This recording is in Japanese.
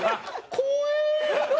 怖い！